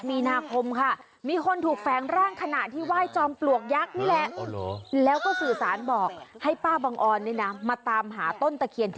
ไปตามอีกาตัวนั้นมาเลย